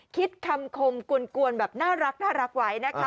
คิดคำคมกวนแบบน่ารักไว้นะคะ